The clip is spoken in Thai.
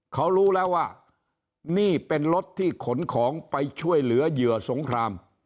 เขารู้แล้วว่านี่เป็นรถที่ขนของไปช่วยเหลือเหยื่อสงคราม